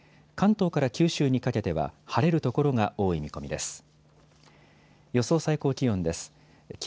関東から九州にかけては晴れる所が多い見込みです。